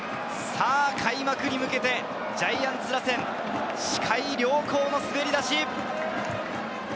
開幕に向けてジャイアンツ打線、視界良好の滑り出し。